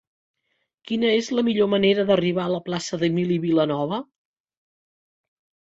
Quina és la millor manera d'arribar a la plaça d'Emili Vilanova?